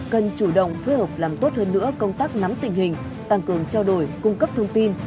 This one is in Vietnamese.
cần chủ động phối hợp làm tốt hơn nữa công tác nắm tình hình tăng cường trao đổi cung cấp thông tin